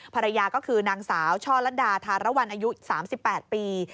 ภรรยาก็คือนางสาวช่อลัดดาธารวรรณอายุ๓๘ปี